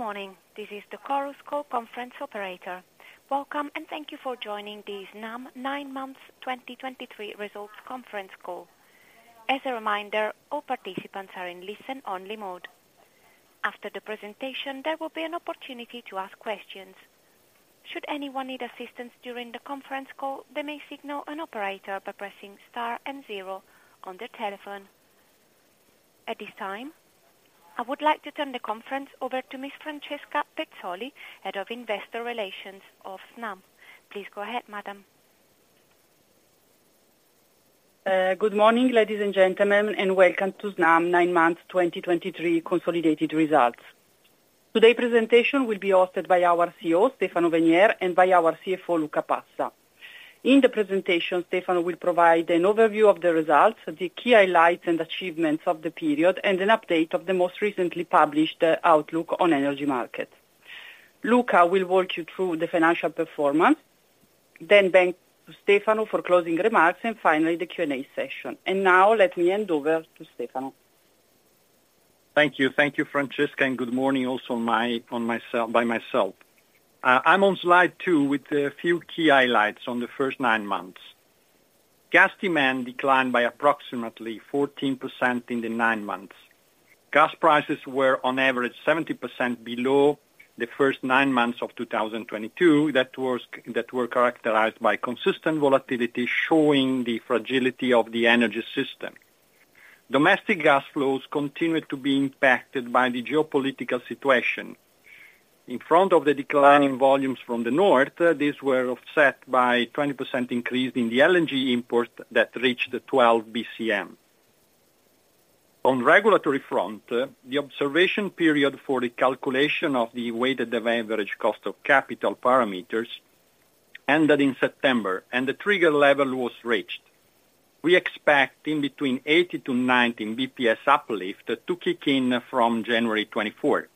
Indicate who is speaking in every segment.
Speaker 1: Good morning. This is the Chorus Call Conference Operator. Welcome, and thank you for joining the Snam nine months 2023 results conference call. As a reminder, all participants are in listen-only mode. After the presentation, there will be an opportunity to ask questions. Should anyone need assistance during the conference call, they may signal an operator by pressing star and zero on their telephone. At this time, I would like to turn the conference over to Ms. Francesca Pezzoli, Head of Investor Relations of Snam. Please go ahead, madam.
Speaker 2: Good morning, ladies and gentlemen, and welcome to Snam nine months 2023 consolidated results. Today's presentation will be hosted by our CEO, Stefano Venier, and by our CFO, Luca Passa. In the presentation, Stefano will provide an overview of the results, the key highlights and achievements of the period, and an update of the most recently published outlook on energy market. Luca will walk you through the financial performance, then thank Stefano for closing remarks and finally, the Q&A session. Now let me hand over to Stefano.
Speaker 3: Thank you. Thank you, Francesca, and good morning also my... On myself, by myself. I'm on slide two with a few key highlights on the first nine months. Gas demand declined by approximately 14% in the nine months. Gas prices were on average 70% below the first nine months of 2022, that were characterized by consistent volatility, showing the fragility of the energy system. Domestic gas flows continued to be impacted by the geopolitical situation. In front of the declining volumes from the north, these were offset by 20% increase in the LNG import that reached the 12 bcm. On regulatory front, the observation period for the calculation of the weighted average cost of capital parameters ended in September, and the trigger level was reached. We expect between 80 to 90 basis points uplift to kick in from January 24th,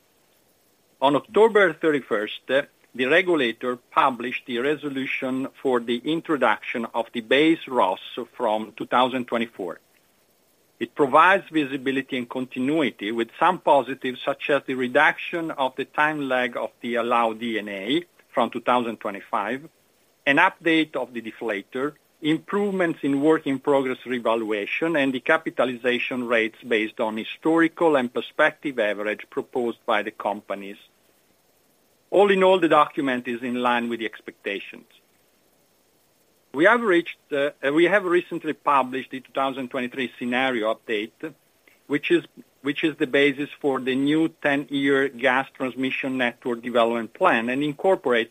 Speaker 3: 2024. On October 31st, the regulator published the resolution for the introduction of the Base ROSS from 2024. It provides visibility and continuity with some positives, such as the reduction of the time lag of the allowed D&A from 2025, an update of the deflator, improvements in work in progress revaluation, and the capitalization rates based on historical and prospective average proposed by the companies. All in all, the document is in line with the expectations. We have reached, we have recently published the 2023 scenario update, which is the basis for the new 10-year gas transmission network development plan, and incorporates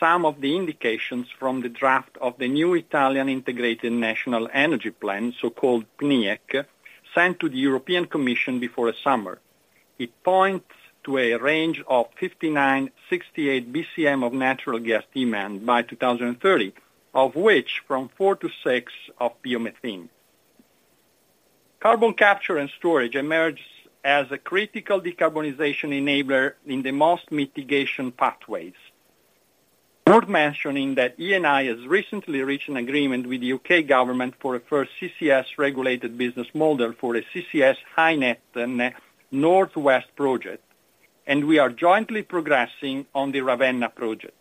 Speaker 3: some of the indications from the draft of the new Italian Integrated National Energy Plan, so-called PNIEC, sent to the European Commission before summer. It points to a range of 59-68 bcm of natural gas demand by 2030, of which from four to six of biomethane. Carbon capture and storage emerges as a critical decarbonization enabler in the most mitigation pathways. Worth mentioning that Eni has recently reached an agreement with the U.K. government for a first CCS regulated business model for a CCS HyNet North West project, and we are jointly progressing on the Ravenna project.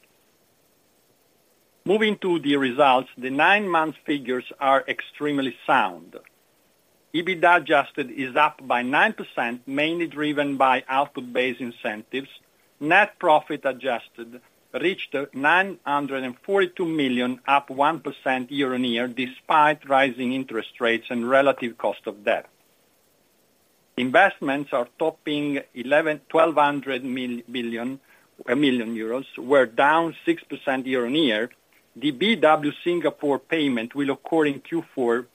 Speaker 3: Moving to the results, the nine-month figures are extremely sound. EBITDA adjusted is up by 9%, mainly driven by output-based incentives. Net profit adjusted reached 942 million, up 1% year-on-year, despite rising interest rates and relative cost of debt. Investments are topping 1.1-1.2 billion euros, were down 6% year-on-year. The BW Singapore payment will occur in Q4,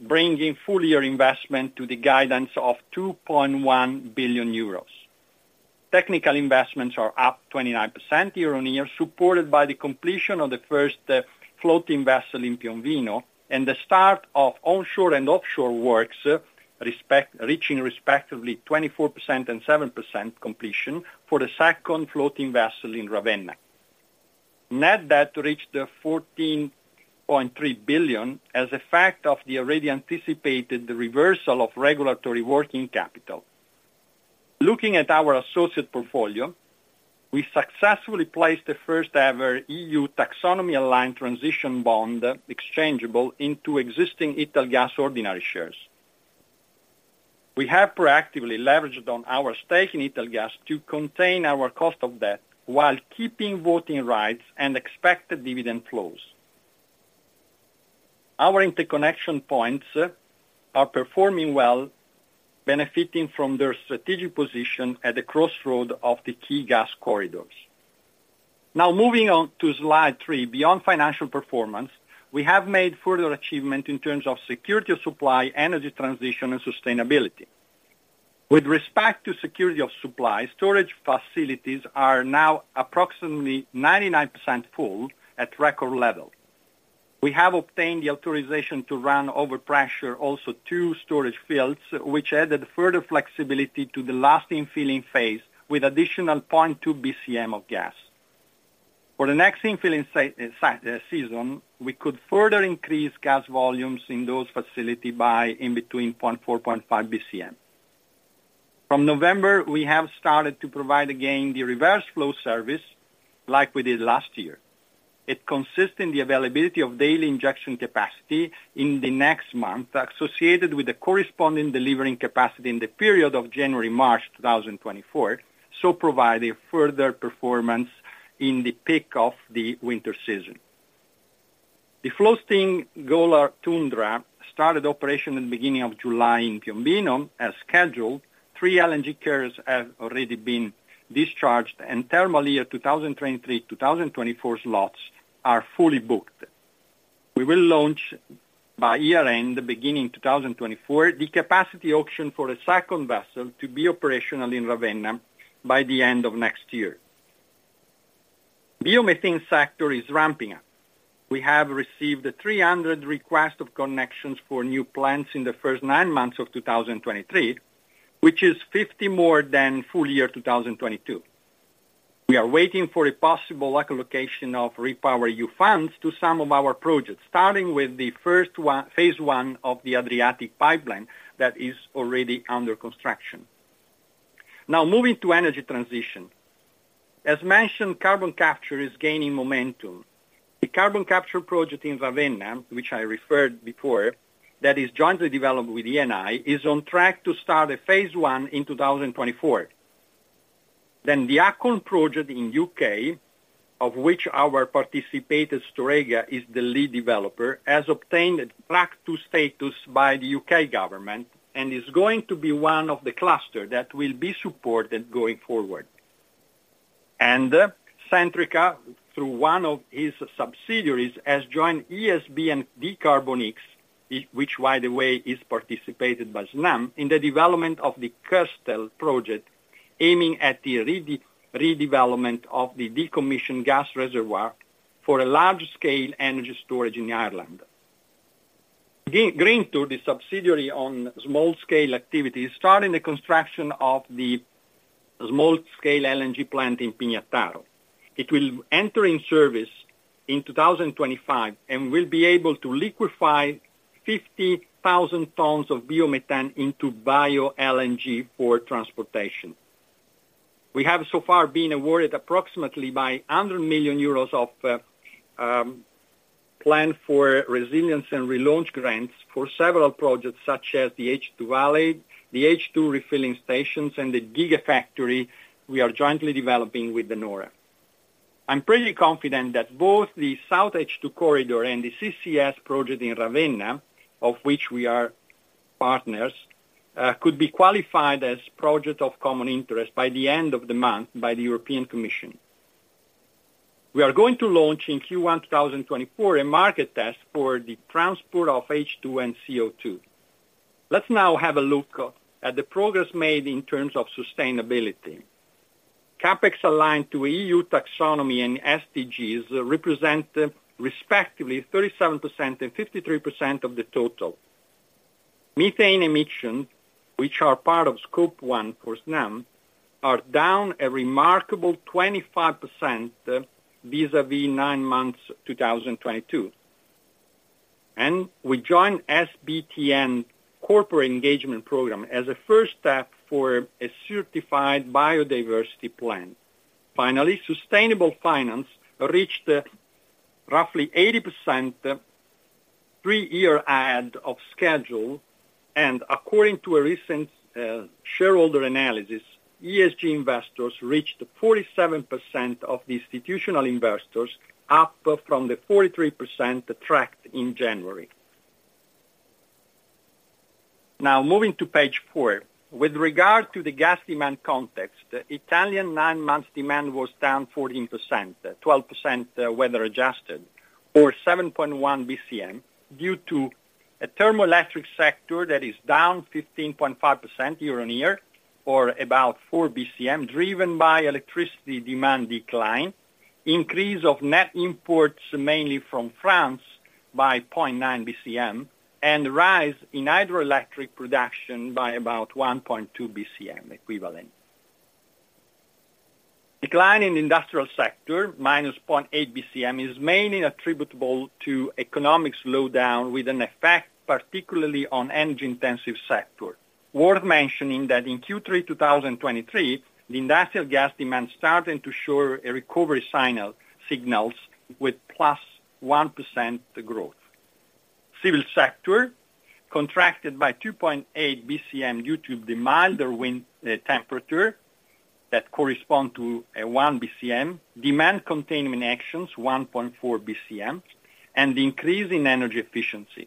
Speaker 3: bringing full-year investment to the guidance of 2.1 billion euros. Technical investments are up 29% year-on-year, supported by the completion of the first floating vessel in Piombino, and the start of onshore and offshore works, reaching respectively 24% and 7% completion for the second floating vessel in Ravenna. Net debt reached 14.3 billion, as a fact of the already anticipated reversal of regulatory working capital. Looking at our associate portfolio, we successfully placed the first-ever EU Taxonomy-aligned transition bond, exchangeable into existing Italgas ordinary shares. We have proactively leveraged on our stake in Italgas to contain our cost of debt, while keeping voting rights and expected dividend flows. Our interconnection points are performing well, benefiting from their strategic position at the crossroad of the key gas corridors. Now, moving on to slide three, beyond financial performance, we have made further achievement in terms of security of supply, energy transition, and sustainability. With respect to security of supply, storage facilities are now approximately 99% full, at record level. We have obtained the authorization to run overpressure, also two storage fields, which added further flexibility to the lasting filling phase, with additional 0.2 bcm of gas. For the next infilling season, we could further increase gas volumes in those facility by between 0.4 bcm-0.5 bcm. From November, we have started to provide again the reverse flow service like we did last year. It consists in the availability of daily injection capacity in the next month, associated with the corresponding delivering capacity in the period of January-March 2024, so providing further performance in the peak of the winter season. The floating Golar Tundra started operation in the beginning of July in Piombino as scheduled. Three LNG carriers have already been discharged, and thermal year 2023-2024 slots are fully booked. We will launch by year-end, the beginning 2024, the capacity auction for a second vessel to be operational in Ravenna by the end of next year. Biomethane sector is ramping up. We have received 300 requests of connections for new plants in the first nine months of 2023, which is 50 more than full year 2022. We are waiting for a possible allocation of REPowerEU funds to some of our projects, starting with the first one- phase one of the Adriatic Pipeline that is already under construction. Now, moving to energy transition. As mentioned, carbon capture is gaining momentum. The carbon capture project in Ravenna, which I referred before, that is jointly developed with Eni, is on track to start a phase one in 2024. Then the Acorn project in U.K., of which our participant, Storegga, is the lead developer, has obtained a Track-2 status by the U.K. government, and is going to be one of the cluster that will be supported going forward. And Centrica, through one of its subsidiaries, has joined ESB and dCarbonX, which, by the way, is participated by Snam, in the development of the Kestrel project, aiming at the redevelopment of the decommissioned gas reservoir for a large-scale energy storage in Ireland. Greenture, the subsidiary on small-scale activities, starting the construction of the small-scale LNG plant in Pignataro. It will enter in service in 2025, and will be able to liquefy 50,000 tons of biomethane into bio-LNG for transportation. We have so far been awarded approximately 100 million euros of plan for resilience and relaunch grants for several projects, such as the H2 Valley, the H2 refilling stations, and the gigafactory we are jointly developing with De Nora. I'm pretty confident that both the SoutH2 Corridor and the CCS project in Ravenna, of which we are partners, could be qualified as project of common interest by the end of the month by the European Commission. We are going to launch in Q1 2024, a market test for the transport of H2 and CO2. Let's now have a look at the progress made in terms of sustainability. CapEx aligned to EU Taxonomy and SDGs represent respectively 37% and 53% of the total. Methane emissions, which are part of Scope 1 for Snam, are down a remarkable 25% vis-a-vis nine months, 2022. We joined SBTN corporate engagement program as a first step for a certified biodiversity plan. Finally, sustainable finance reached roughly 80% three-year ahead of schedule, and according to a recent shareholder analysis, ESG investors reached 47% of the institutional investors, up from the 43% tracked in January. Now, moving to page four. With regard to the gas demand context, Italian nine months demand was down 14%, uh, 12%, uh, weather-adjusted, or 7.1 bcm, due to a thermoelectric sector that is down 15.5% year-on-year, or about 4 bcm, driven by electricity demand decline, increase of net imports, mainly from France, by 0.9 bcm, and rise in hydroelectric production by about 1.2 bcm equivalent. Decline in industrial sector, minus 0.8 bcm, is mainly attributable to economic slowdown, with an effect particularly on energy-intensive sector. Worth mentioning that in Q3 2023, the industrial gas demand starting to show a recovery signal with +1% growth. Civil sector contracted by 2.8 bcm due to the milder winter temperature that corresponds to 1 bcm, demand containment actions, 1.4 bcm, and the increase in energy efficiency.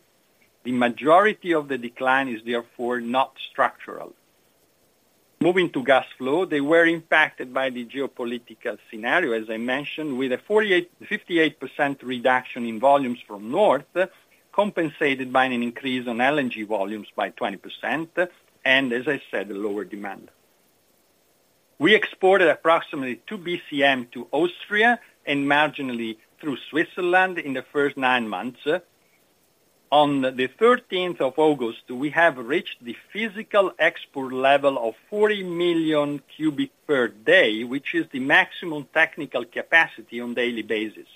Speaker 3: The majority of the decline is therefore not structural. Moving to gas flow, they were impacted by the geopolitical scenario, as I mentioned, with a 48%-58% reduction in volumes from north, compensated by an increase on LNG volumes by 20%, and as I said, lower demand. We exported approximately 2 bcm to Austria and marginally through Switzerland in the first nine months. On the 13th of August, we have reached the physical export level of 40 million cubic meters per day, which is the maximum technical capacity on daily basis.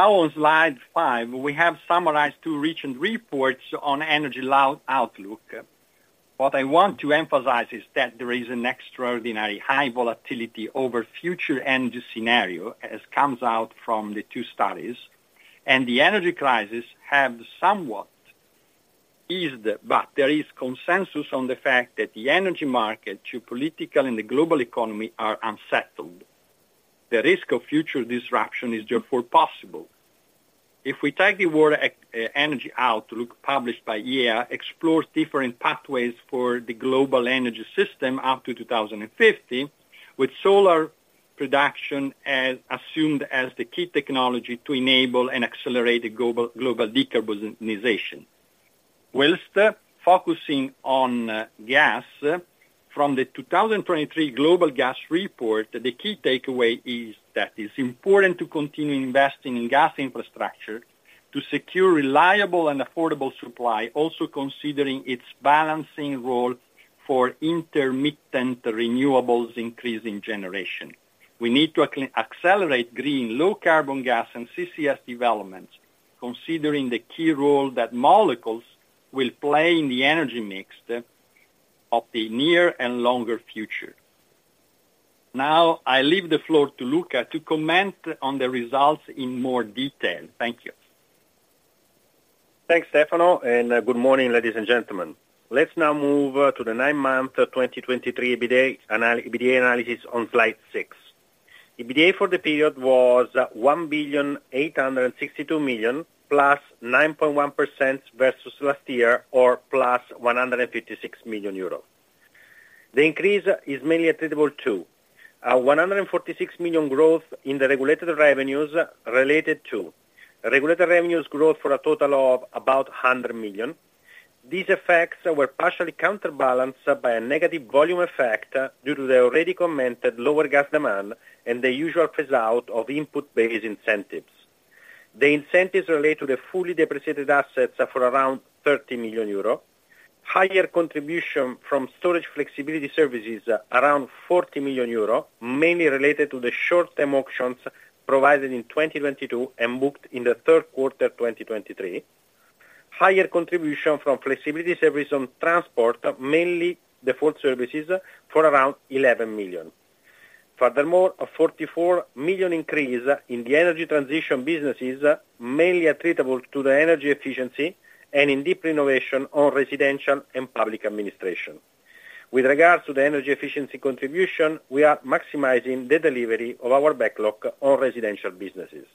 Speaker 3: Now, on slide five, we have summarized two recent reports on World Energy Outlook. What I want to emphasize is that there is an extraordinary high volatility over future energy scenario, as comes out from the two studies, and the energy crisis have somewhat eased, but there is consensus on the fact that the energy market, geopolitical and the global economy are unsettled. The risk of future disruption is therefore possible. If we take the World Energy Outlook, published by IEA, explores different pathways for the global energy system up to 2050, with solar production as assumed as the key technology to enable and accelerate the global, global decarbonization. While focusing on gas from the 2023 global gas report, the key takeaway is that it's important to continue investing in gas infrastructure, to secure reliable and affordable supply, also considering its balancing role for intermittent renewables increase in generation. We need to accelerate green, low carbon gas and CCS development, considering the key role that molecules will play in the energy mix of the near and longer future. Now, I leave the floor to Luca to comment on the results in more detail. Thank you.
Speaker 4: Thanks, Stefano, and good morning, ladies and gentlemen. Let's now move to the nine-month 2023 EBITDA analysis on slide six. EBITDA for the period was 1,862 million, +9.1% versus last year, or +156 million euro. The increase is mainly attributable to 146 million growth in the regulated revenues related to: regulated revenues growth for a total of about 100 million. These effects were partially counterbalanced by a negative volume effect, due to the already commented lower gas demand and the usual phase out of input-based incentives. The incentives relate to the fully depreciated assets for around 30 million euro. Higher contribution from storage flexibility services, around 40 million euro, mainly related to the short-term auctions provided in 2022 and booked in the third quarter, 2023. Higher contribution from flexibility service on transport, mainly default services, for around 11 million. Furthermore, a 44 million increase in the energy transition businesses, mainly attributable to the energy efficiency and in deep renovation on residential and public administration. With regards to the energy efficiency contribution, we are maximizing the delivery of our backlog on residential businesses.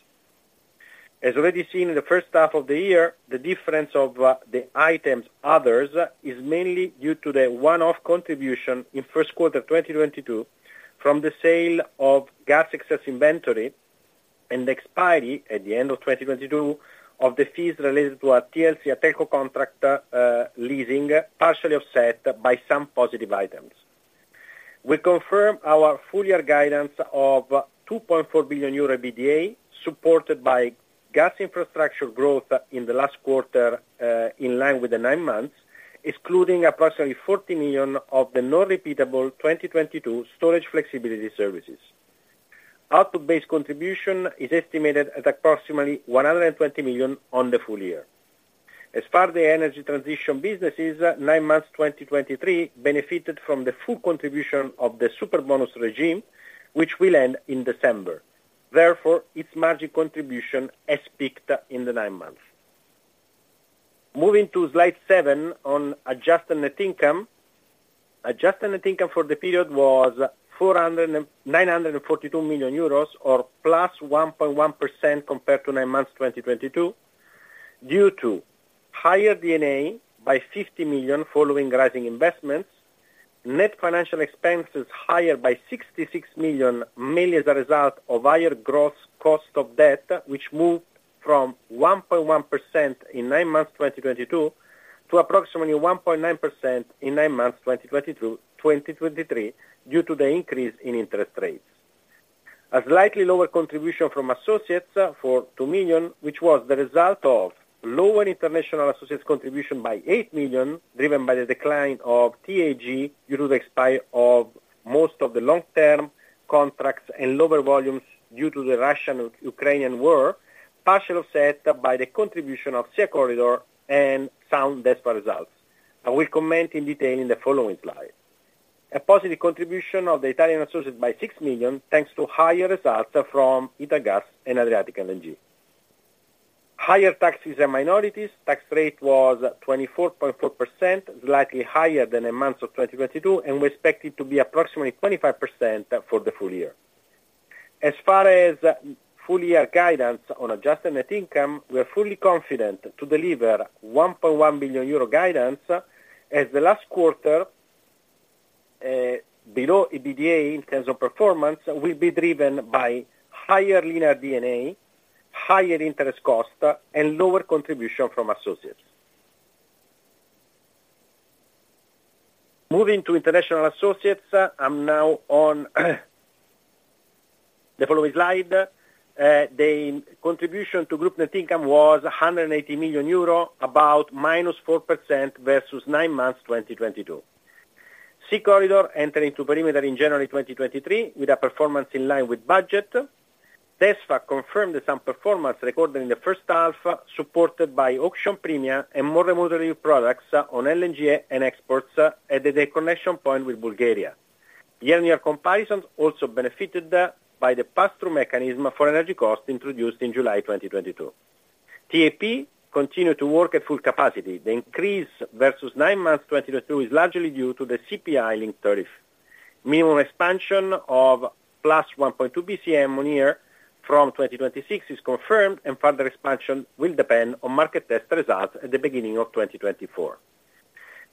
Speaker 4: As already seen in the first half of the year, the difference of the items others, is mainly due to the one-off contribution in first quarter 2022, from the sale of gas excess inventory and the expiry at the end of 2022, of the fees related to a TLC ATECO contract, leasing, partially offset by some positive items. We confirm our full year guidance of 2.4 billion euro EBITDA, supported by gas infrastructure growth in the last quarter, in line with the nine months, excluding approximately 40 million of the non-repeatable 2022 storage flexibility services. Output-based contribution is estimated at approximately 120 million on the full year. As for the energy transition businesses, nine months 2023 benefited from the full contribution of the Superbonus regime, which will end in December. Therefore, its margin contribution is peaked in the nine months. Moving to slide seven on adjusted net income. Adjusted net income for the period was 942 million euros, or +1.1% compared to nine months 2022, due to higher D&A by 50 million following rising investments. Net financial expenses higher by 66 million, mainly as a result of higher gross cost of debt, which moved from 1.1% in nine months, 2022, to approximately 1.9% in nine months, 2022, 2023, due to the increase in interest rates. A slightly lower contribution from associates for 2 million, which was the result of lower international associates contribution by 8 million, driven by the decline of TAG, due to the expiry of most of the long-term contracts and lower volumes due to the Russian-Ukrainian war, partially offset by the contribution of SeaCorridor and sound DESFA results. I will comment in detail in the following slide. A positive contribution of the Italian associates by 6 million, thanks to higher results from Italgas and Adriatic LNG. Higher taxes and minorities. Tax rate was 24.4%, slightly higher than the months of 2022, and we expect it to be approximately 25% for the full year. As far as full year guidance on adjusted net income, we are fully confident to deliver 1.1 billion euro guidance, as the last quarter below EBITDA in terms of performance, will be driven by higher linear D&A, higher interest costs, and lower contribution from associates. Moving to international associates, I'm now on the following slide. The contribution to group net income was 180 million euro, about -4% versus nine months, 2022. SeaCorridor entered into perimeter in January 2023, with a performance in line with budget. DESFA confirmed the same performance recorded in the first half, supported by auction premia and more remodeling products on LNG and exports, at the connection point with Bulgaria. The annual comparisons also benefited by the pass-through mechanism for energy costs introduced in July 2022. TAP continued to work at full capacity. The increase versus nine months 2022 is largely due to the CPI link tariff. Minimum expansion of +1.2 bcm on year from 2026 is confirmed, and further expansion will depend on market test results at the beginning of 2024.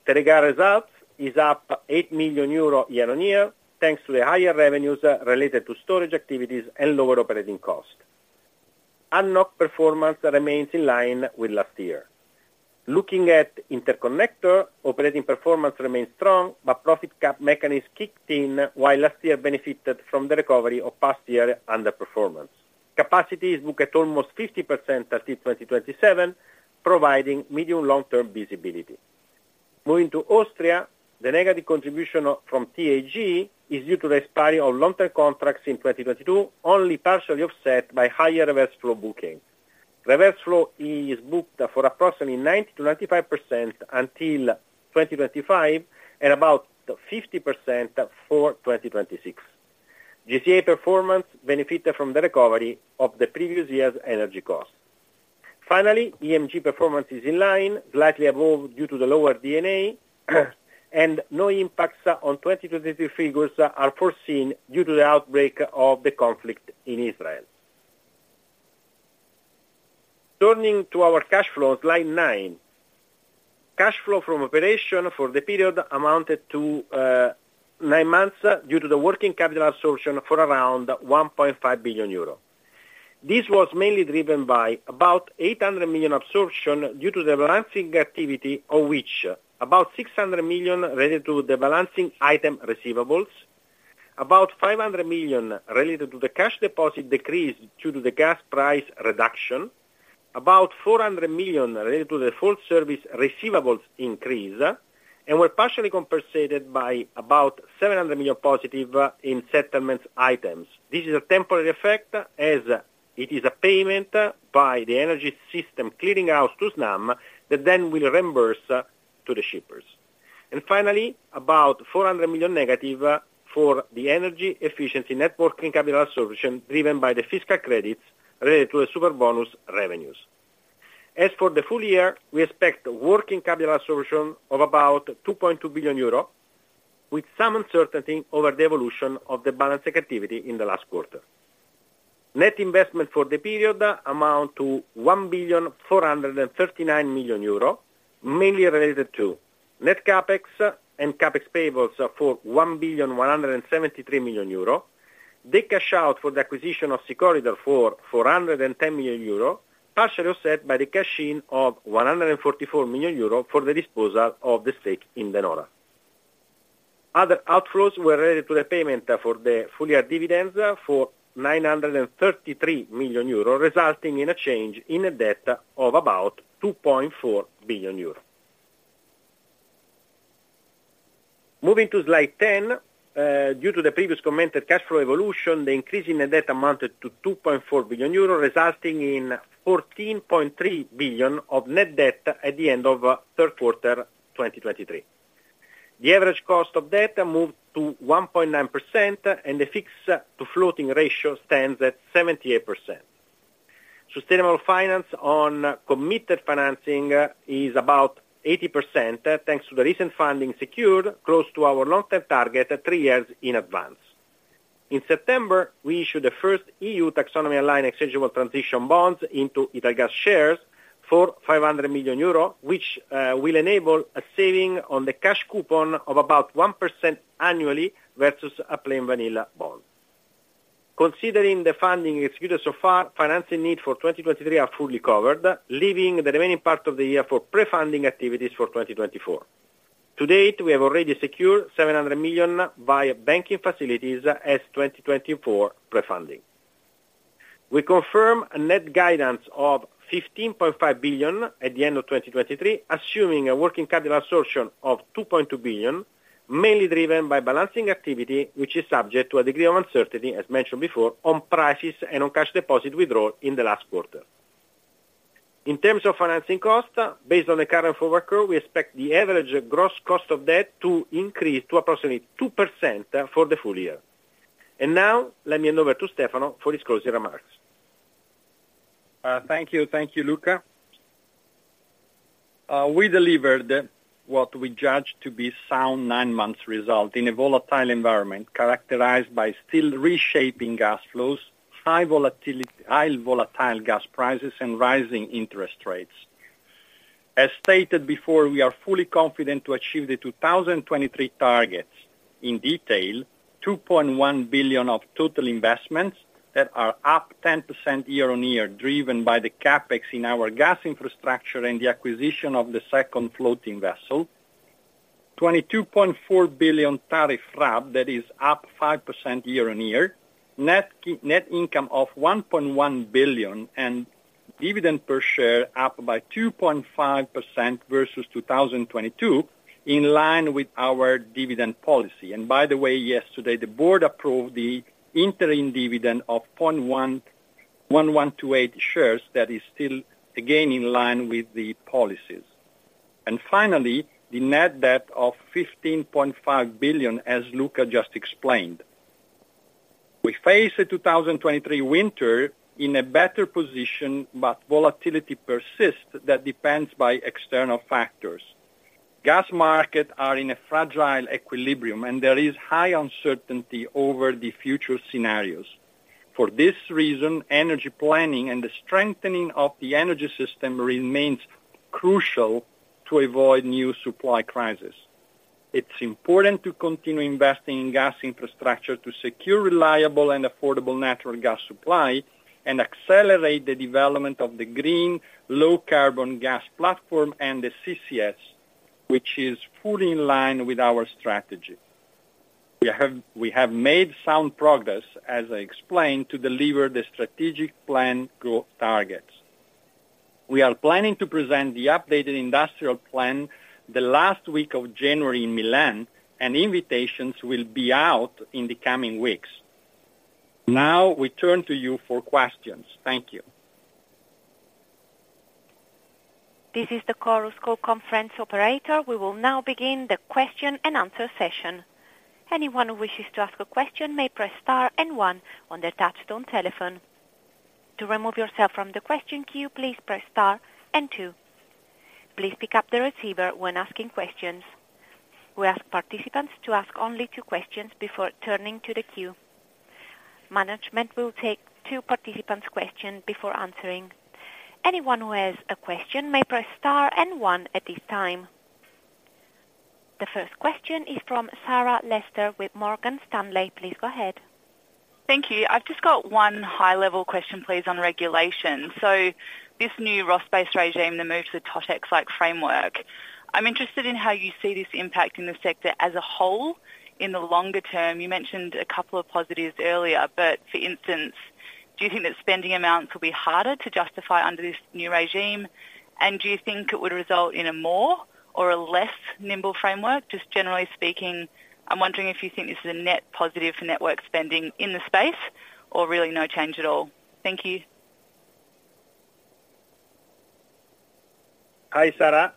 Speaker 4: Teréga results is up 8 million euro year-on-year, thanks to the higher revenues related to storage activities and lower operating costs. Interconnector performance remains in line with last year. Looking at Interconnector, operating performance remains strong, but profit cap mechanism kicked in, while last year benefited from the recovery of past year underperformance. Capacity is booked at almost 50% until 2027, providing medium long-term visibility. Moving to Austria, the negative contribution from TAG is due to the expiry of long-term contracts in 2022, only partially offset by higher reverse flow booking. Reverse flow is booked for approximately 90%-95% until 2025, and about 50% for 2026. GCA performance benefited from the recovery of the previous year's energy costs. Finally, EMG performance is in line, slightly above, due to the lower D&A, and no impacts on 2022 figures are foreseen due to the outbreak of the conflict in Israel. Turning to our cash flow, slide nine. Cash flow from operation for the period amounted to nine months, due to the working capital absorption for around 1.5 billion euro. This was mainly driven by about 800 million absorption, due to the balancing activity, of which about 600 million related to the balancing item receivables. About 500 million related to the cash deposit decrease, due to the gas price reduction. About 400 million related to the full service receivables increase, and were partially compensated by about 700 million positive in settlement items. This is a temporary effect, as it is a payment by the energy system, clearing out through Snam, that then will reimburse to the shippers. And finally, about 400 million negative for the energy efficiency network working capital solution, driven by the fiscal credits related to the Superbonus revenues. As for the full year, we expect working capital absorption of about 2.2 billion euro, with some uncertainty over the evolution of the balancing activity in the last quarter. Net investment for the period amounts to 1.439 billion, mainly related to net CapEx and CapEx payables for 1.173 billion. The cash out for the acquisition of SeaCorridor for 410 million euro, partially offset by the cash in of 144 million euro for the disposal of the stake in De Nora. Other outflows were related to the payment for the full-year dividends for 933 million euro, resulting in a change in the debt of about 2.4 billion euro. Moving to slide 10. Due to the previously commented cash flow evolution, the increase in the debt amounted to 2.4 billion euro, resulting in 14.3 billion of net debt at the end of third quarter 2023. The average cost of debt moved to 1.9%, and the fixed to floating ratio stands at 78%. Sustainable finance on committed financing is about 80%, thanks to the recent funding secured close to our long-term target at three years in advance. In September, we issued the first EU Taxonomy online exchangeable transition bonds into Italgas shares for 500 million euro, which will enable a saving on the cash coupon of about 1% annually versus a plain vanilla bond. Considering the funding executed so far, financing need for 2023 are fully covered, leaving the remaining part of the year for pre-funding activities for 2024. To date, we have already secured 700 million via banking facilities as 2024 pre-funding. We confirm a net guidance of 15.5 billion at the end of 2023, assuming a working capital absorption of 2.2 billion, mainly driven by balancing activity, which is subject to a degree of uncertainty, as mentioned before, on prices and on cash deposit withdrawal in the last quarter. In terms of financing costs, based on the current forward curve, we expect the average gross cost of debt to increase to approximately 2% for the full year. And now, let me hand over to Stefano for his closing remarks.
Speaker 3: Thank you. Thank you, Luca. We delivered what we judge to be sound nine months result in a volatile environment, characterized by still reshaping gas flows, high volatility, high volatile gas prices, and rising interest rates. As stated before, we are fully confident to achieve the 2023 targets. In detail, 2.1 billion of total investments that are up 10% year-on-year, driven by the CapEx in our gas infrastructure and the acquisition of the second floating vessel. 22.4 billion tariff RAB, that is up 5% year-on-year. Net income of 1.1 billion, and dividend per share up by 2.5% versus 2022, in line with our dividend policy. By the way, yesterday, the board approved the interim dividend of 0.11128 per share, that is still again in line with the policies. And finally, the net debt of 15.5 billion, as Luca just explained. We face the 2023 winter in a better position, but volatility persists that depends on external factors. Gas markets are in a fragile equilibrium, and there is high uncertainty over the future scenarios. For this reason, energy planning and the strengthening of the energy system remains crucial to avoid new supply crises. It's important to continue investing in gas infrastructure to secure reliable and affordable natural gas supply, and accelerate the development of the green, low carbon gas platform and the CCS, which is fully in line with our strategy. We have made sound progress, as I explained, to deliver the strategic plan growth targets. We are planning to present the updated industrial plan the last week of January in Milan, and invitations will be out in the coming weeks. Now, we turn to you for questions. Thank you.
Speaker 1: This is the Chorus Call Conference operator. We will now begin the question-and-answer session. Anyone who wishes to ask a question may press star and one on their touchtone telephone. To remove yourself from the question queue, please press star and two. Please pick up the receiver when asking questions. We ask participants to ask only two questions before turning to the queue. Management will take two participants' questions before answering. Anyone who has a question may press star and one at this time. The first question is from Sarah Lester with Morgan Stanley. Please go ahead.
Speaker 5: Thank you. I've just got one high-level question, please, on regulation. So this new ROSS-based regime, the move to the TotEx-like framework, I'm interested in how you see this impacting the sector as a whole in the longer term. You mentioned a couple of positives earlier, but for instance, do you think that spending amounts will be harder to justify under this new regime? And do you think it would result in a more or a less nimble framework? Just generally speaking, I'm wondering if you think this is a net positive for network spending in the space or really no change at all. Thank you.
Speaker 4: Hi, Sarah.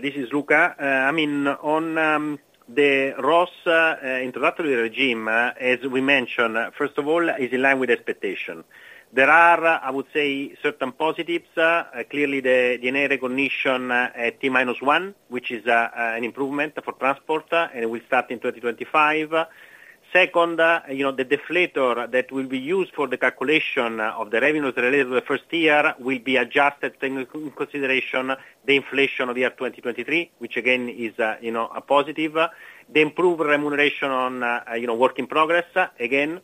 Speaker 4: This is Luca. I mean, on the ROSS introductory regime, as we mentioned, first of all, is in line with expectation. There are, I would say, certain positives. Clearly, the D&A recognition at T-minus one, which is an improvement for transport, and it will start in 2025. Second, you know, the deflator that will be used for the calculation of the revenues related to the first year will be adjusted, taking consideration the inflation of the year 2023, which again, is you know, a positive. The improved remuneration on, you know, work in progress, again.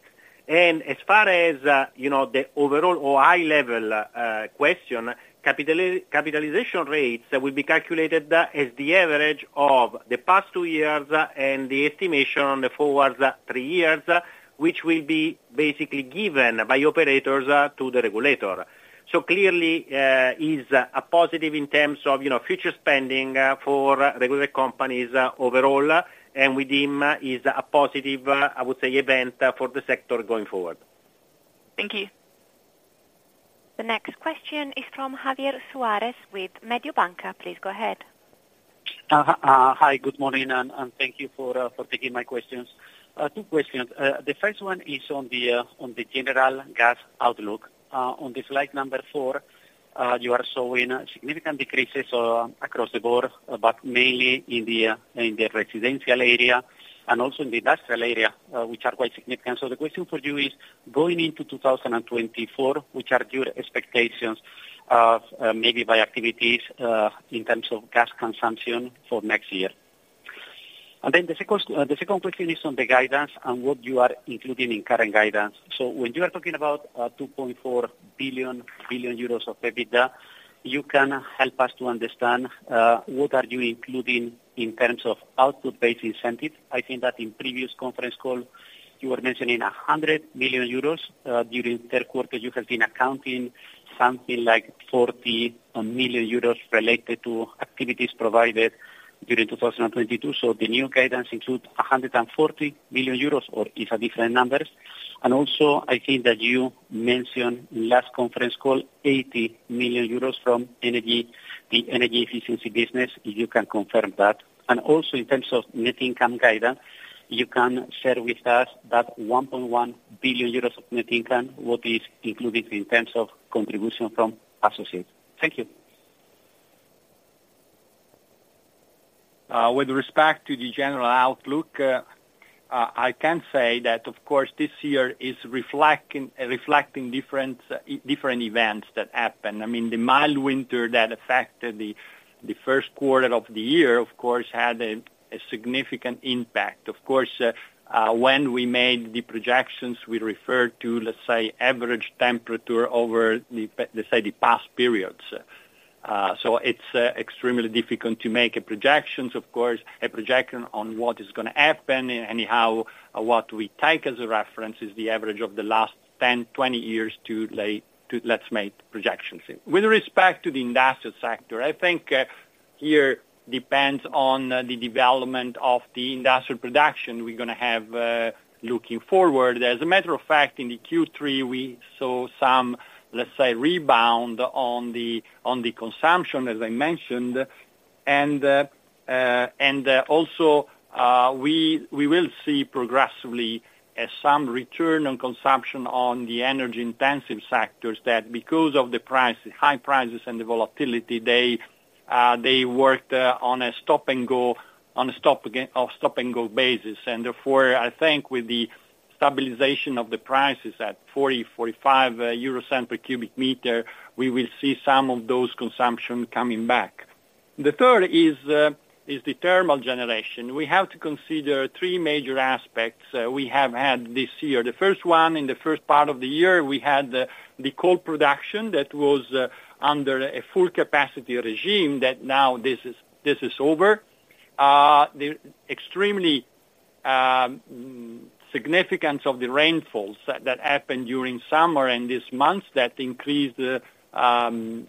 Speaker 4: And as far as, you know, the overall or high-level question, capitalization rates will be calculated as the average of the past two years, and the estimation on the forward three years, which will be basically given by operators to the regulator. So clearly, is a positive in terms of, you know, future spending for regulatory companies overall, and we deem is a positive, I would say, event for the sector going forward.
Speaker 5: Thank you.
Speaker 1: The next question is from Javier Suarez with Mediobanca. Please go ahead.
Speaker 6: Hi, good morning, and thank you for taking my questions. Two questions. The first one is on the general gas outlook. On the slide number four, you are showing significant decreases across the board, but mainly in the residential area and also in the industrial area, which are quite significant. So the question for you is, going into 2024, which are your expectations of, maybe by activities, in terms of gas consumption for next year? And then the second question is on the guidance and what you are including in current guidance. So when you are talking about 2.4 billion of EBITDA, you can help us to understand what are you including in terms of output-based incentive. I think that in previous conference call, you were mentioning 100 million euros during third quarter. You have been accounting something like 40 million euros related to activities provided during 2022. So the new guidance include 140 million euros, or is a different numbers? And also, I think that you mentioned last conference call, 80 million euros from energy, the energy efficiency business, if you can confirm that. And also, in terms of net income guidance, you can share with us that 1.1 billion euros of net income, what is included in terms of contribution from associates? Thank you.
Speaker 3: With respect to the general outlook, I can say that, of course, this year is reflecting different events that happened. I mean, the mild winter that affected the first quarter of the year, of course, had a significant impact. Of course, when we made the projections, we referred to, let's say, average temperature over the past periods. So it's extremely difficult to make projections, of course, a projection on what is gonna happen, and anyhow, what we take as a reference is the average of the last 10, 20 years to lay- to, let's make projections. With respect to the industrial sector, I think, here depends on the development of the industrial production we're gonna have, looking forward. As a matter of fact, in the Q3, we saw some, let's say, rebound on the, on the consumption, as I mentioned, and, and, also, we, we will see progressively, some return on consumption on the energy intensive sectors, that because of the price, high prices and the volatility, they, they worked, on a stop-and-go, on a stop-and-go basis. And therefore, I think with the stabilization of the prices at 0.40-0.45 euro per cubic meter, we will see some of those consumption coming back. The third is, is the thermal generation. We have to consider three major aspects, we have had this year. The first one, in the first part of the year, we had the, the coal production that was, under a full capacity regime, that now this is, this is over. The extreme significance of the rainfalls that happened during summer and this month, that increased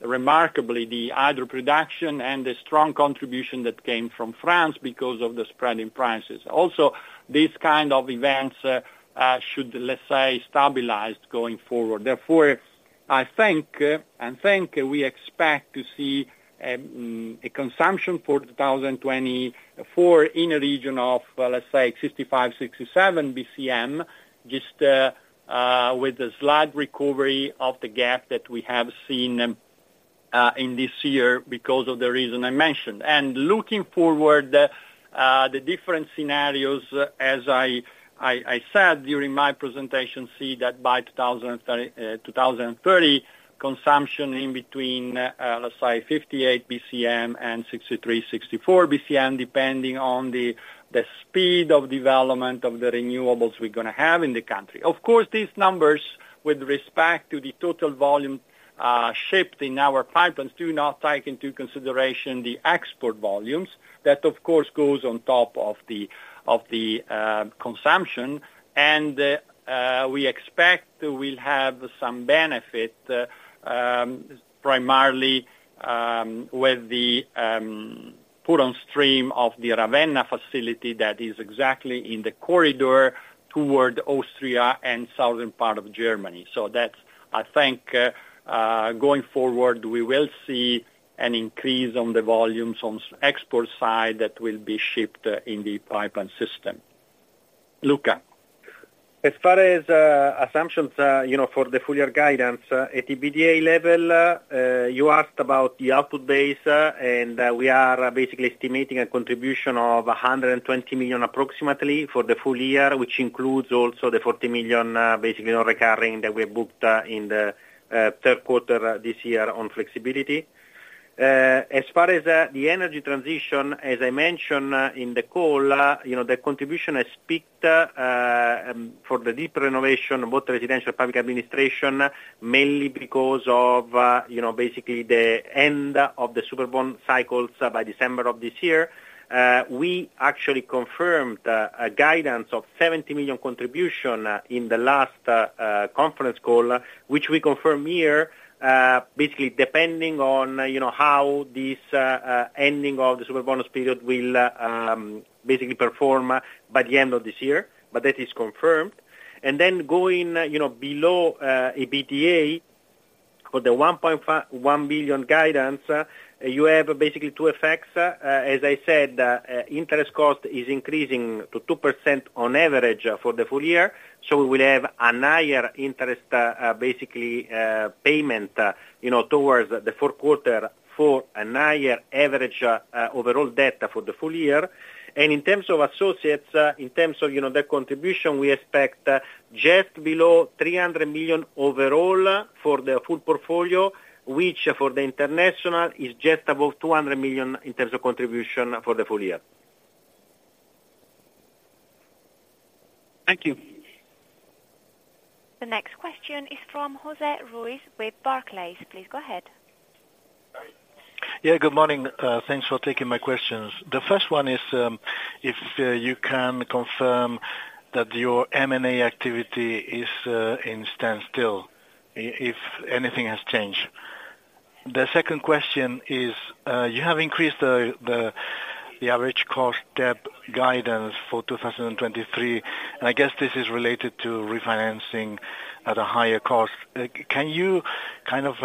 Speaker 3: remarkably the hydro production and the strong contribution that came from France because of the spreading prices. Also, these kind of events should, let's say, stabilized going forward. Therefore, I think we expect to see a consumption for 2024 in a region of, let's say, 65-67 bcm, just with a slight recovery of the gap that we have seen in this year because of the reason I mentioned. Looking forward, the different scenarios, as I said during my presentation, see that by 2030, consumption in between, let's say, 58 bcm and 63-64 bcm, depending on the speed of development of the renewables we're gonna have in the country. Of course, these numbers, with respect to the total volume shipped in our pipelines, do not take into consideration the export volumes. That, of course, goes on top of the consumption, and we expect we'll have some benefit, primarily, with the put on stream of the Ravenna facility that is exactly in the corridor toward Austria and southern part of Germany. So that's, I think, going forward, we will see an increase on the volumes on export side that will be shipped in the pipeline system. Luca?
Speaker 4: As far as assumptions, you know, for the full year guidance, at EBITDA level, you asked about the output base, and we are basically estimating a contribution of 120 million approximately for the full year, which includes also the 40 million, basically non-recurring, that we booked in the third quarter this year on flexibility. As far as the energy transition, as I mentioned in the call, you know, the contribution has peaked for the deep renovation, both residential public administration, mainly because of, you know, basically the end of the super bond cycles by December of this year. We actually confirmed a guidance of 70 million contribution in the last conference call, which we confirm here, basically depending on, you know, how this ending of the Superbonus period will basically perform by the end of this year, but that is confirmed. And then going, you know, below EBITDA for the 1.5-1 billion guidance, you have basically two effects. As I said, interest cost is increasing to 2% on average for the full year, so we will have a higher interest basically payment, you know, towards the fourth quarter for a higher average overall debt for the full year. In terms of associates, you know, the contribution, we expect just below 300 million overall for the full portfolio, which for the international, is just above 200 million in terms of contribution for the full year.
Speaker 6: Thank you.
Speaker 1: The next question is from Jose Ruiz with Barclays. Please go ahead.
Speaker 7: Yeah, good morning. Thanks for taking my questions. The first one is, if you can confirm that your M&A activity is in standstill, if anything has changed? The second question is, you have increased the average cost debt guidance for 2023, and I guess this is related to refinancing at a higher cost. Can you kind of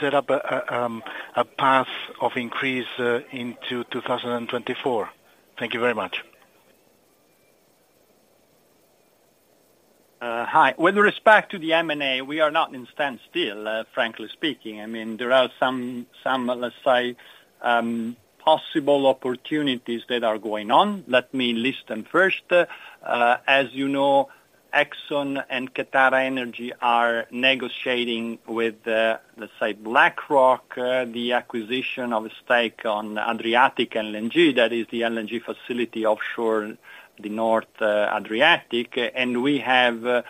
Speaker 7: set up a path of increase into 2024? Thank you very much.
Speaker 3: Hi. With respect to the M&A, we are not in standstill, frankly speaking. I mean, there are some, let's say, possible opportunities that are going on. Let me list them first. As you know, Exxon and QatarEnergy are negotiating with, let's say, BlackRock, the acquisition of a stake on Adriatic LNG. That is the LNG facility offshore the North Adriatic, and we have a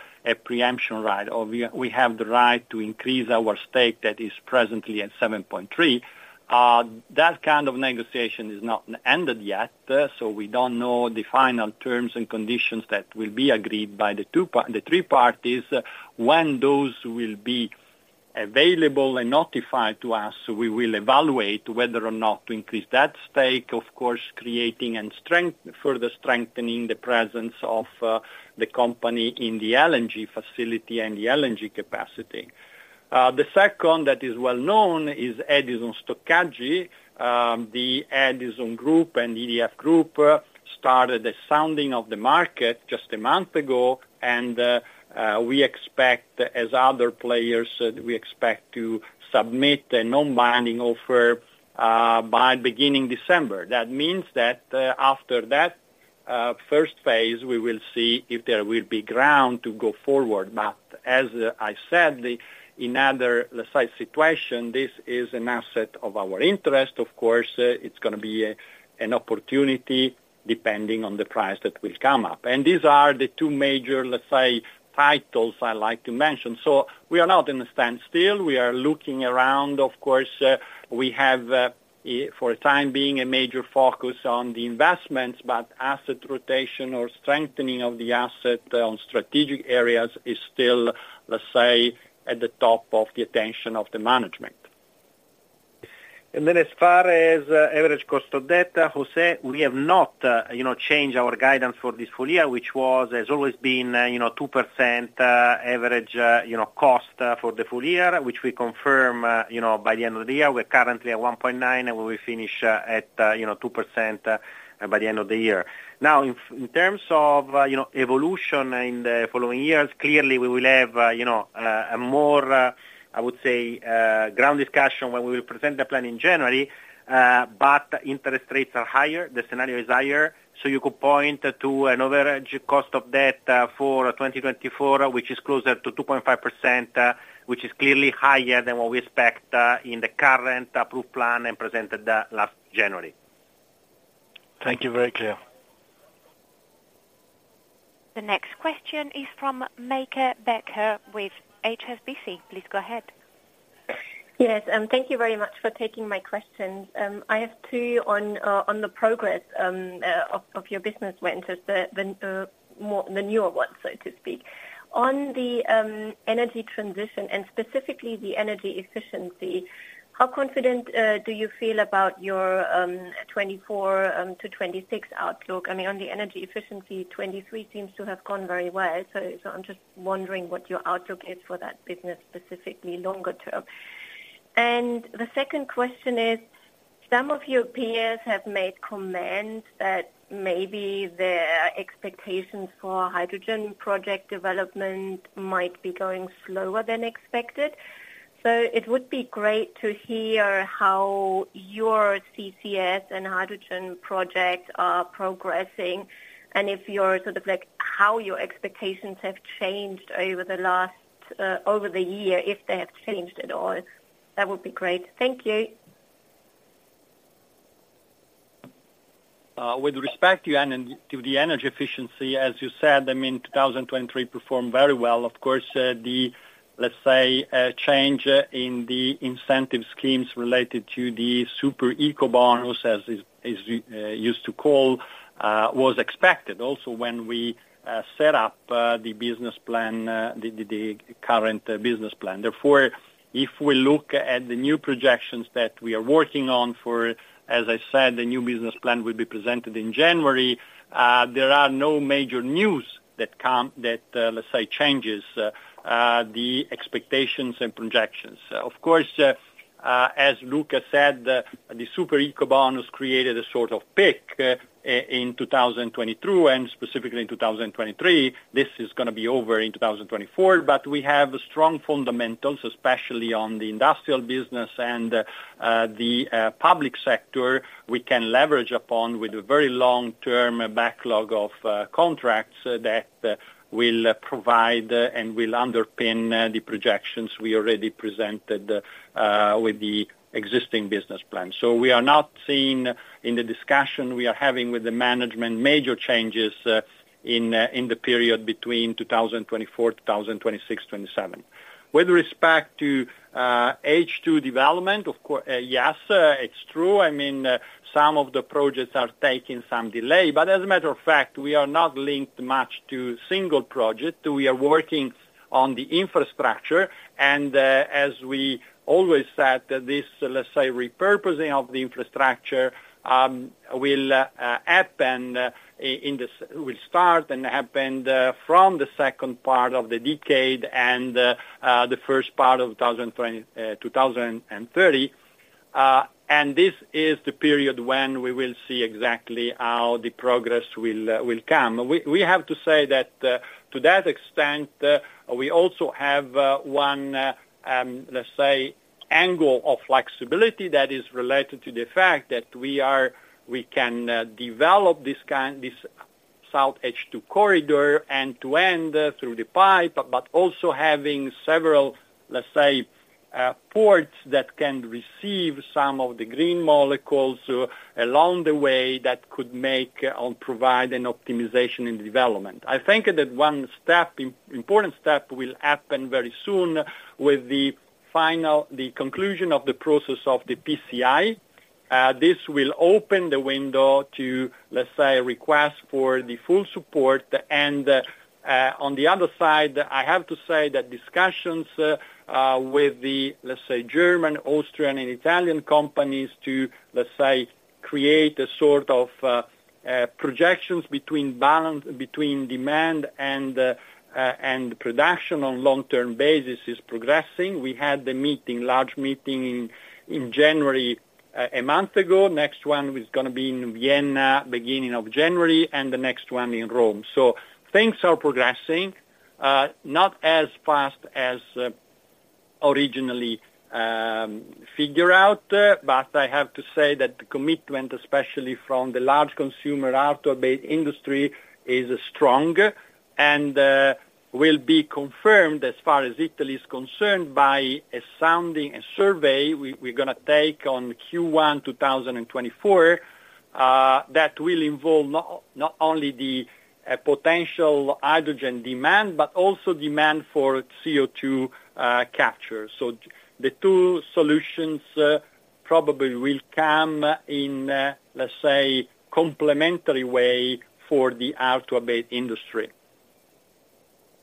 Speaker 3: preemption right, or we have the right to increase our stake that is presently at 7.3. That kind of negotiation is not ended yet, so we don't know the final terms and conditions that will be agreed by the three parties. When those will be available and notified to us, we will evaluate whether or not to increase that stake, of course, further strengthening the presence of the company in the LNG facility and the LNG capacity. The second, that is well known, is Edison Stoccaggio. The Edison Group and EDF Group started the sounding of the market just a month ago, and we expect, as other players, we expect to submit a non-binding offer by beginning December. That means that, after that first phase, we will see if there will be ground to go forward. But as I said, in other, let's say, situations, this is an asset of our interest. Of course, it's gonna be an opportunity, depending on the price that will come up. These are the two major, let's say, titles I'd like to mention. We are not in a standstill. We are looking around, of course, we have, for the time being, a major focus on the investments, but asset rotation or strengthening of the asset on strategic areas is still, let's say, at the top of the attention of the management. Then as far as average cost of debt, Jose, we have not, you know, changed our guidance for this full year, which was, has always been, you know, 2% average, you know, cost for the full year, which we confirm, you know, by the end of the year. We're currently at 1.9%, and we will finish at 2% by the end of the year. Now, in terms of, you know, evolution in the following years, clearly, we will have, you know, a more, I would say, ground discussion when we will present the plan in January, but interest rates are higher, the scenario is higher, so you could point to an average cost of debt, for 2024, which is closer to 2.5%, which is clearly higher than what we expect, in the current approved plan and presented, last January.
Speaker 7: Thank you. Very clear.
Speaker 1: The next question is from Meike Becker with HSBC. Please go ahead.
Speaker 8: Yes, thank you very much for taking my questions. I have two on the progress of your business ranges, the more, the newer ones, so to speak. On the energy transition and specifically the energy efficiency, how confident do you feel about your 2024-2026 outlook? I mean, on the energy efficiency, 2023 seems to have gone very well, so I'm just wondering what your outlook is for that business, specifically longer term. The second question is, some of your peers have made comments that maybe their expectations for hydrogen project development might be going slower than expected. So it would be great to hear how your CCS and hydrogen projects are progressing, and if you're sort of like, how your expectations have changed over the last, over the year, if they have changed at all. That would be great. Thank you.
Speaker 3: With respect to the energy efficiency, as you said, I mean, 2023 performed very well. Of course, the, let's say, change in the incentive schemes related to the Super-Ecobonus, as is, is used to call, was expected. Also, when we set up the business plan, the, the, the current business plan. Therefore, if we look at the new projections that we are working on for, as I said, the new business plan will be presented in January, there are no major news that come that, let's say, changes the expectations and projections. Of course, as Luca said, the Super-Ecobonus created a sort of peak, in 2022, and specifically in 2023. This is gonna be over in 2024, but we have strong fundamentals, especially on the industrial business and the public sector, we can leverage upon with a very long-term backlog of contracts that will provide and will underpin the projections we already presented with the existing business plan. So we are not seeing, in the discussion we are having with the management, major changes in the period between 2024, 2026, 2027. With respect to H2 development, yes, it's true. I mean, some of the projects are taking some delay, but as a matter of fact, we are not linked much to single project. We are working on the infrastructure, and, as we always said, this, let's say, repurposing of the infrastructure, will start and happen, from the second part of the decade and, the first part of 2020, 2030. And this is the period when we will see exactly how the progress will come. We have to say that, to that extent, we also have, one, let's say, angle of flexibility that is related to the fact that we can develop this kind, this SoutH2 Corridor, end-to-end through the pipe, but also having several, let's say, ports, that can receive some of the green molecules along the way, that could make or provide an optimization in development. I think that one step, important step, will happen very soon with the final, the conclusion of the process of the PCI. This will open the window to, let's say, a request for the full support. And, on the other side, I have to say that discussions, with the, let's say, German, Austrian and Italian companies to, let's say, create a sort of, projections between balance, between demand and, and production on long-term basis is progressing. We had the meeting, large meeting in January, a month ago. Next one is gonna be in Vienna, beginning of January, and the next one in Rome. So things are progressing, not as fast as originally figure out, but I have to say that the commitment, especially from the large consumer auto-based industry, is strong, and will be confirmed as far as Italy is concerned by a sounding, a survey we're gonna take on Q1, 2024. That will involve not only the potential hydrogen demand, but also demand for CO2 capture. So the two solutions probably will come in, let's say, complementary way for the auto-based industry.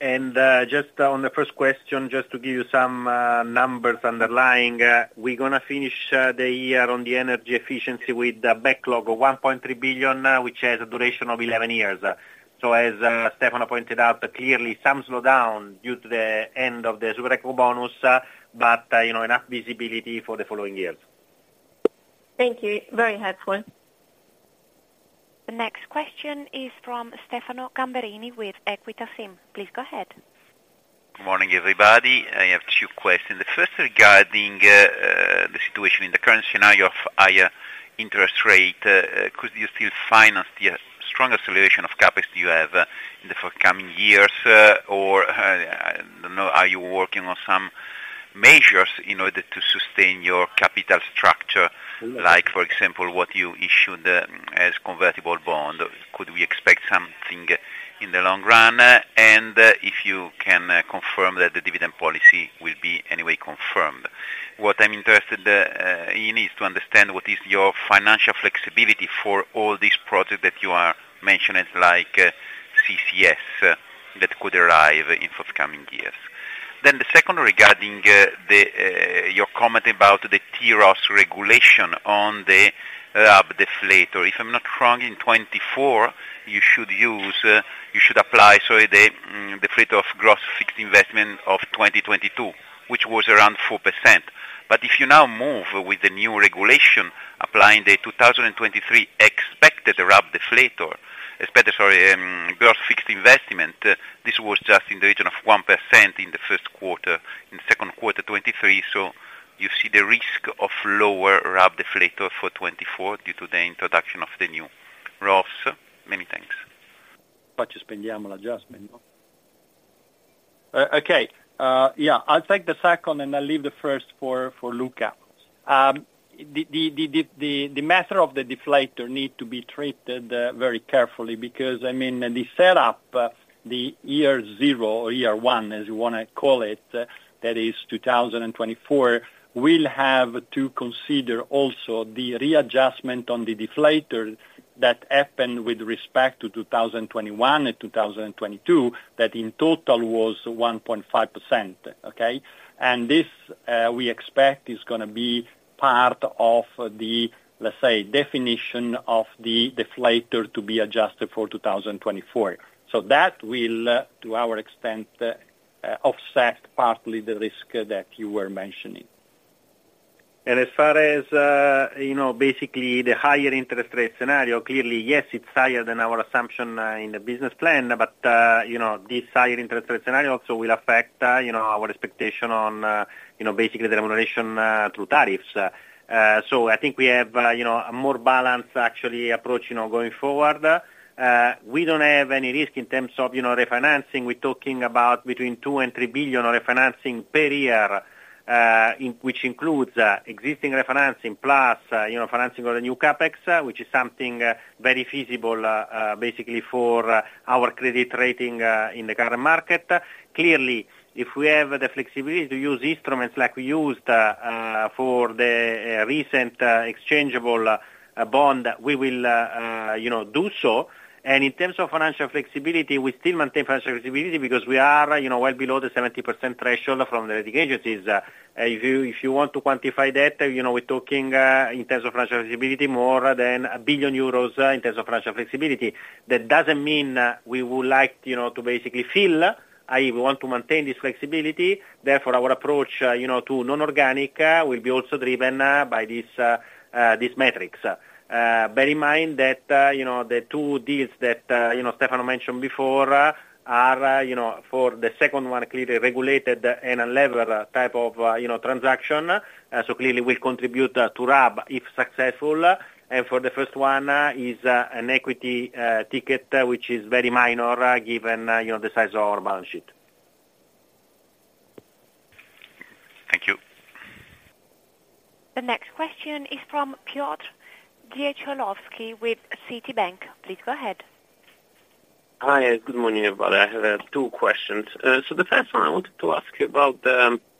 Speaker 4: Just on the first question, just to give you some numbers underlying, we're gonna finish the year on the energy efficiency with a backlog of 1.3 billion, which has a duration of 11 years. So as Stefano pointed out, clearly, some slowdown due to the end of the Super-Ecobonus, but you know, enough visibility for the following years.
Speaker 8: Thank you. Very helpful.
Speaker 1: The next question is from Stefano Gamberini with Equita SIM. Please go ahead.
Speaker 9: Good morning, everybody. I have two questions. The first regarding the situation in the current scenario of higher interest rate, could you still finance the strong acceleration of CapEx you have in the forthcoming years? Or, I don't know, are you working on some measures in order to sustain your capital structure, like, for example, what you issued as convertible bond? Could we expect something in the long run? And if you can confirm that the dividend policy will be anyway confirmed. What I'm interested in is to understand what is your financial flexibility for all these projects that you are mentioning, like, CCS, that could arrive in forthcoming years. Then the second, regarding the, your comment about the Base ROSS regulation on the, deflator. If I'm not wrong, in 2024, you should use, you should apply, the fleet of gross fixed investment of 2022, which was around 4%. But if you now move with the new regulation, applying the 2023 expected RAB deflator, gross fixed investment, this was just in the region of 1% in the first quarter, in second quarter, 2023. So you see the risk of lower RAB deflator for 2024, due to the introduction of the new ROS. Many thanks.
Speaker 3: But you spend them on adjustment, no? Okay, yeah, I'll take the second, and I'll leave the first for Luca. The matter of the deflator need to be treated very carefully, because, I mean, the setup, the year zero or year one, as you wanna call it, that is 2024, will have to consider also the readjustment on the deflator that happened with respect to 2021 and 2022, that in total was 1.5%. Okay? And this, we expect, is gonna be part of the, let's say, definition of the deflator to be adjusted for 2024. So that will, to our extent, offset partly the risk that you were mentioning.
Speaker 4: As far as, you know, basically the higher interest rate scenario, clearly, yes, it's higher than our assumption in the business plan, but, you know, this higher interest rate scenario also will affect, you know, basically the remuneration through tariffs. So I think we have, you know, a more balanced actually approach, you know, going forward. We don't have any risk in terms of, you know, refinancing. We're talking about between 2 billion and 3 billion of refinancing per year, which includes existing refinancing plus, you know, financing of the new CapEx, which is something, very feasible, basically for our credit rating in the current market. Clearly, if we have the flexibility to use instruments like we used for the recent exchangeable bond, we will, you know, do so. And in terms of financial flexibility, we still maintain financial flexibility because we are, you know, well below the 70% threshold from the rating agencies. If you, if you want to quantify that, you know, we're talking in terms of financial flexibility, more than 1 billion euros in terms of financial flexibility. That doesn't mean we would like, you know, to basically fill, i.e., we want to maintain this flexibility. Therefore, our approach, you know, to non-organic, will be also driven by this, these metrics. Bear in mind that, you know, the two deals that, you know, Stefano mentioned before, are, you know, for the second one, clearly regulated and a lever type of, you know, transaction. So clearly will contribute, to RAB, if successful. And for the first one, is, an equity, ticket, which is very minor, given, you know, the size of our balance sheet.
Speaker 9: Thank you.
Speaker 1: The next question is from Piotr Dzieciolowski with Citibank. Please go ahead.
Speaker 10: Hi, good morning, everybody. I have two questions. So the first one, I wanted to ask you about, you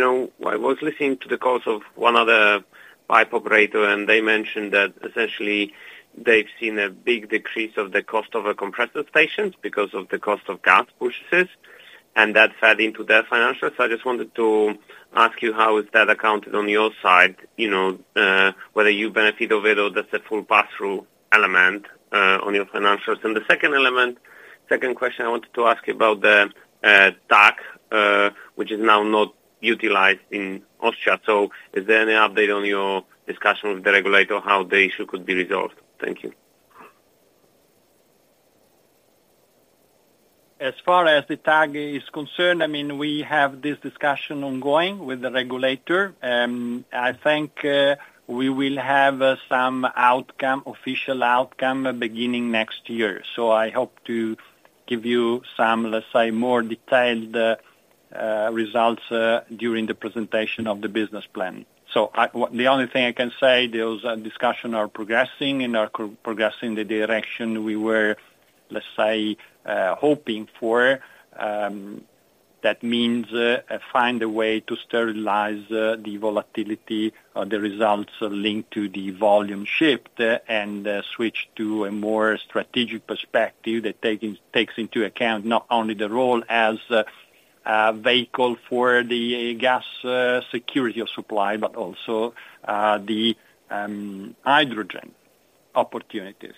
Speaker 10: know, I was listening to the calls of one other pipe operator, and they mentioned that essentially, they've seen a big decrease of the cost of a compressor stations because of the cost of gas purchases, and that fed into their financials. So I just wanted to ask you, how is that accounted on your side? You know, whether you benefit of it or that's a full pass-through element on your financials. And the second element, second question, I wanted to ask you about the TAG, which is now not utilized in Austria. So is there any update on your discussion with the regulator, how the issue could be resolved? Thank you.
Speaker 3: As far as the TAG is concerned, I mean, we have this discussion ongoing with the regulator. I think we will have some outcome, official outcome beginning next year. So I hope to give you some, let's say, more detailed results during the presentation of the business plan. So the only thing I can say, those discussion are progressing and are progressing in the direction we were, let's say, hoping for. That means find a way to sterilize the volatility of the results linked to the volume shift, and switch to a more strategic perspective that takes into account not only the role as a vehicle for the gas security of supply, but also the hydrogen opportunities.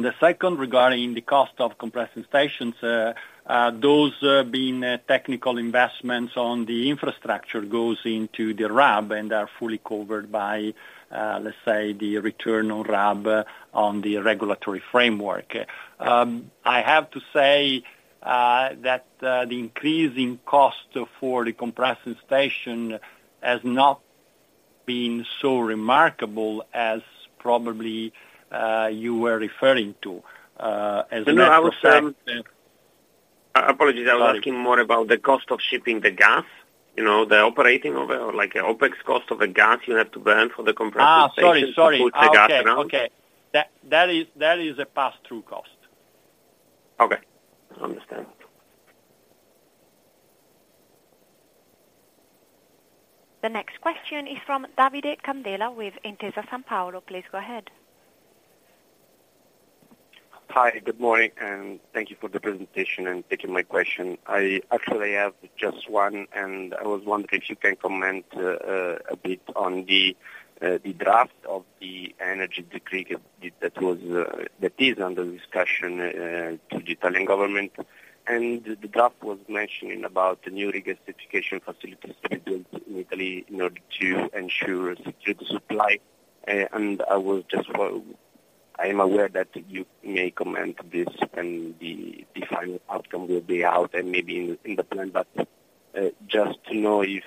Speaker 3: The second, regarding the cost of compression stations, those being technical investments on the infrastructure goes into the RAB and are fully covered by, let's say, the return on RAB, on the regulatory framework. I have to say that the increase in cost for the compression station has not been so remarkable as probably you were referring to, as a matter of fact-
Speaker 10: No, I was saying... apologies.
Speaker 3: Sorry.
Speaker 10: I was asking more about the cost of shipping the gas, you know, the operating of it, or like, OpEx cost of the gas you have to burn for the compression station-
Speaker 3: Ah, sorry, sorry.
Speaker 10: to put the gas around.
Speaker 3: Okay. That is a pass-through cost.
Speaker 10: Okay, I understand.
Speaker 1: The next question is from Davide Candela with Intesa Sanpaolo. Please go ahead.
Speaker 11: Hi, good morning, and thank you for the presentation and taking my question. I actually have just one, and I was wondering if you can comment a bit on the draft of the energy decree that was that is under discussion to the Italian government. The draft was mentioning about the new regasification facilities to be built in Italy in order to ensure security supply. I am aware that you may comment this and the final outcome will be out and maybe in the plan, but just to know if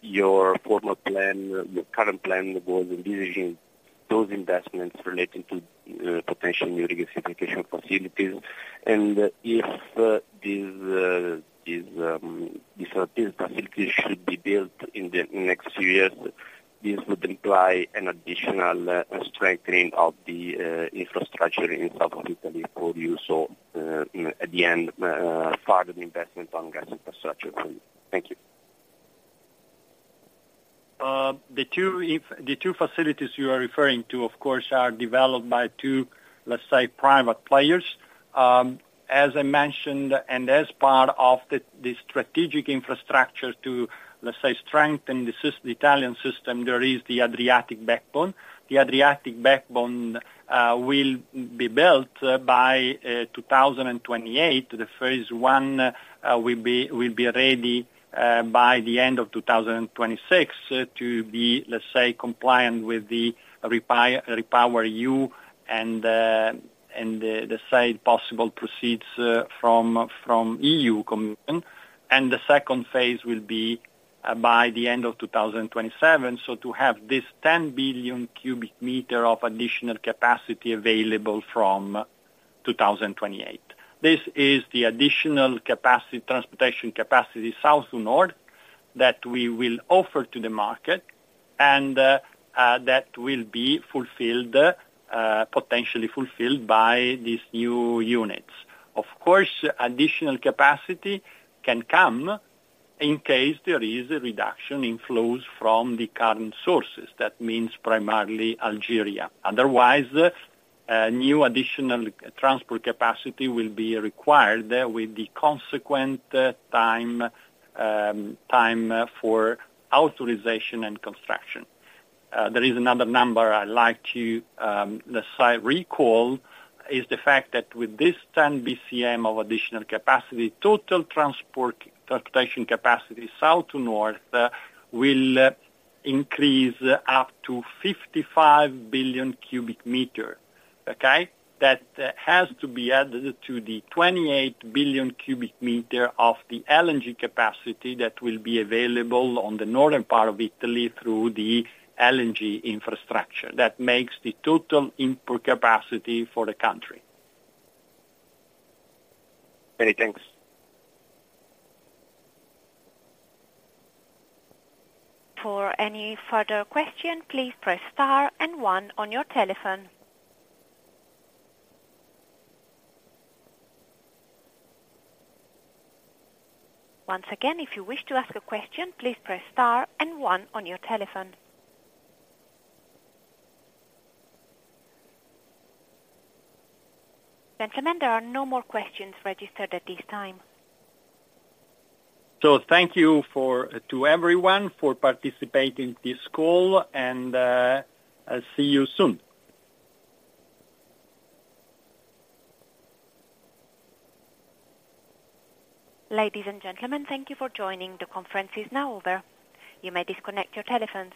Speaker 11: your formal plan, your current plan was envisioning those investments relating to potential new regasification facilities. And if these facilities should be built in the next few years, this would imply an additional strengthening of the infrastructure in south of Italy for you. So, you know, at the end, part of the investment on gas infrastructure. Thank you.
Speaker 3: The two facilities you are referring to, of course, are developed by two, let's say, private players. As I mentioned, and as part of the strategic infrastructure to, let's say, strengthen the Italian system, there is the Adriatic backbone. The Adriatic backbone will be built by 2028. Phase one will be ready by the end of 2026 to be, let's say, compliant with the REPowerEU and the substantial proceeds from EU Commission. And the second phase will be by the end of 2027. So to have this 10 billion cubic meters of additional capacity available from 2028. This is the additional capacity, transportation capacity, south to north, that we will offer to the market, and that will be fulfilled, potentially fulfilled by these new units. Of course, additional capacity can come in case there is a reduction in flows from the current sources. That means primarily Algeria. Otherwise, new additional transport capacity will be required with the consequent time for authorization and construction. There is another number I like to, let's say, recall, is the fact that with this 10 bcm of additional capacity, total transport transportation capacity south to north will increase up to 55 billion cubic meters. Okay? That has to be added to the 28 billion cubic meters of the LNG capacity that will be available on the northern part of Italy through the LNG infrastructure. That makes the total input capacity for the country.
Speaker 11: Many thanks.
Speaker 1: For any further question, please press star and one on your telephone. Once again, if you wish to ask a question, please press star and one on your telephone. Gentlemen, there are no more questions registered at this time.
Speaker 3: So thank you for, to everyone for participating in this call, and, I'll see you soon.
Speaker 1: Ladies and gentlemen, thank you for joining. The conference is now over. You may disconnect your telephones.